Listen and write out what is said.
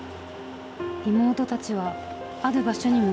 妹たちはある場所に向かっていました。